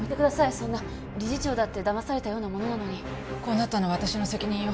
そんな理事長だってだまされたようなものなのにこうなったのは私の責任よ